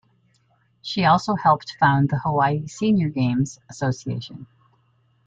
She also helped found the Hawaii Senior Games Association.